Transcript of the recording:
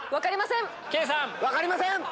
分かりませんっ！